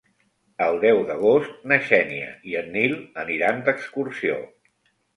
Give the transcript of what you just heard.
El deu d'agost na Xènia i en Nil aniran d'excursió.